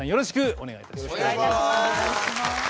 お願いいたします。